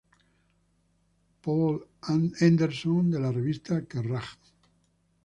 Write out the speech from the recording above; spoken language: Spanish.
Paul Henderson de la revista "Kerrang!